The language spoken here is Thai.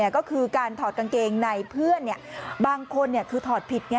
ก็คือการถอดกางเกงในเพื่อนบางคนคือถอดผิดไง